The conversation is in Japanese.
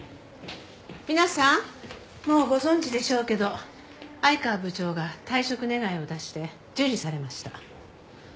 皆さんもうご存じでしょうけど愛川部長が退職願を出して受理されました。